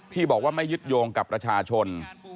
ที่บอกว่าไม่ยึดโยงกับประชาชน